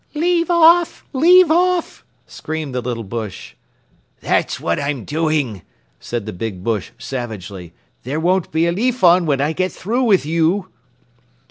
"Leave off! Leave off!" screamed the little bush. "That's what I'm doing," said the big bush savagely. "There won't be a leaf on when I get through with you."